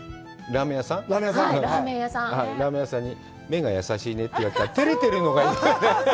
ラーメン屋さんに“目が優しいね”って言われて、照れてるのがいい。